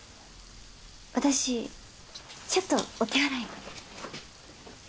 私ちょっとお手洗いに。